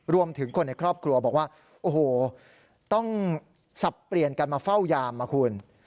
รวมถึงคนในครอบครัวบอกว่าโอ้โหต้องสับเปลี่ยนกันมาเฝ้ายามนะคุณ